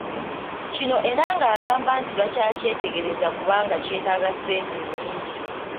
Kino Enanga agamba nti bakyakyetegereza kubanga kyetaaga ssente nnyingi.